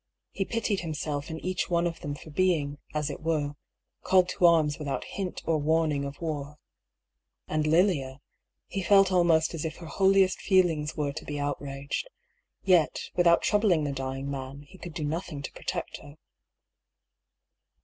He pitied himself and each one of them for being, as it were, called to arms without hint or warning of war. And Lilia — he felt almost as if her holiest feelings were to be outraged. Yet, without troubling the dying man, he could do nothing to pro tect her.